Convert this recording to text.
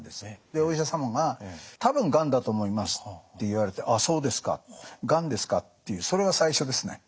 でお医者様が「多分がんだと思います」って言われて「ああそうですか。がんですか」っていうそれが最初ですね。